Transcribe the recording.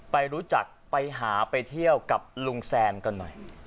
ไปรู้จักไปหาไปเที่ยวกับลุงแซมกันหน่อย